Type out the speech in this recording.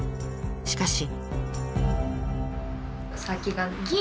しかし。